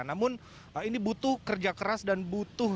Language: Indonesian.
namun ini butuh kerja keras dan butuh